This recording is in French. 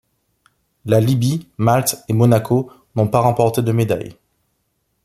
La Libye, Malte et Monaco n'ont pas remporté de médailles.